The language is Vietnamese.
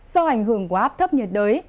do ảnh hưởng của áp thấp nhận đới